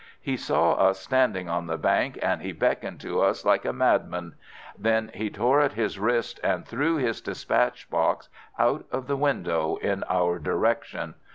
He saw us standing on the bank, and he beckoned to us like a madman. Then he tore at his wrist and threw his dispatch box out of the window in our direction.